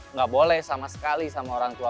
nggak boleh sama sekali sama orang tua